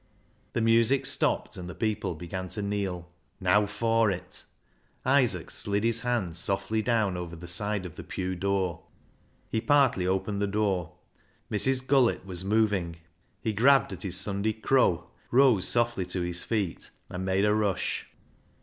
The music stopped, and the people began to kneel. Now for it ! Isaac slid his hand softly down over the side of the pew door. He partly opened the door. Mrs. Gullett was moving. He grabbed at his Sunday " crow " (hat), rose softly to his feet, and made a rush.